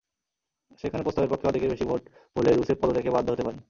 সেখানে প্রস্তাবের পক্ষে অর্ধেকের বেশি ভোট পড়লে রুসেফ পদত্যাগে বাধ্য হতে পারেন।